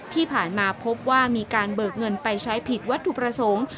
ที่ผ่านมาพบว่ามีการเบิกเงินไปใช้ผิดวัตถุประสงค์